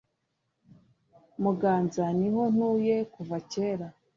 muganza niho ntuye kuva kera